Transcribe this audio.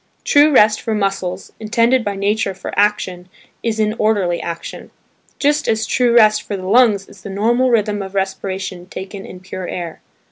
True rest for muscles, intended by nature for action, is in orderly action; just as true rest for the lungs is the normal rhythm of respiration taken in pure air.